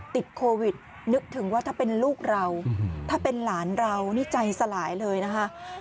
ติดโควิดนึกถึงว่าถ้าเป็นลูกเราถ้าเป็นหลานเรานี่ใจสลายเลยนะคะ